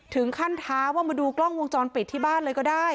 ท้าว่ามาดูกล้องวงจรปิดที่บ้านเลยก็ได้